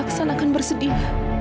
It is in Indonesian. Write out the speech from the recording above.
apakah aksan akan bersedih